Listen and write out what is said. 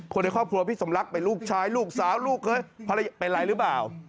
ในครอบครัวพี่สมรักเป็นลูกชายลูกสาวลูกเคยภรรยาเป็นอะไรหรือเปล่า